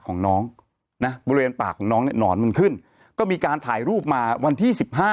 ของน้องบริเวณปากน้องหนอนขึ้นก็มีการถ่ายรูปมาวันที่